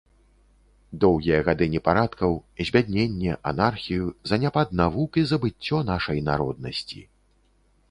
Доўгія гады непарадкаў, збядненне, анархію, заняпад навук і забыццё нашай народнасці.